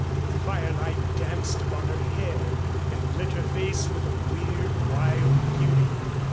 The firelight danced upon her hair and lit her face with a weird, wild beauty.